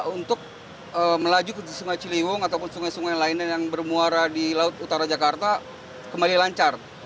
untuk melaju ke sungai ciliwung ataupun sungai sungai lainnya yang bermuara di laut utara jakarta kembali lancar